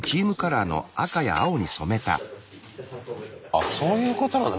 あそういうことなんだ。